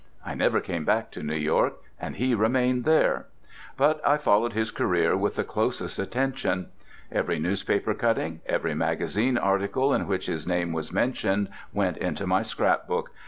I never came back to New York; and he remained there. But I followed his career with the closest attention. Every newspaper cutting, every magazine article in which his name was mentioned, went into my scrapbook.